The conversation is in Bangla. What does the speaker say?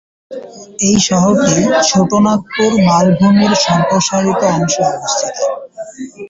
এই শহরটি ছোটনাগপুর মালভূমির সম্প্রসারিত অংশে অবস্থিত।